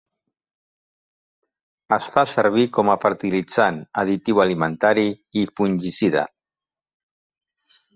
Es fa servir com a fertilitzant, additiu alimentari i fungicida.